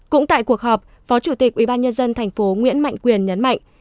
cũng tại cuộc họp phó chủ tịch ubnd tp nguyễn mạnh quyền nhấn mạnh